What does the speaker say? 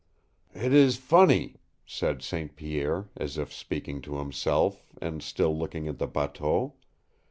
"It is funny," said St. Pierre, as if speaking to himself, and still looking at the bateau.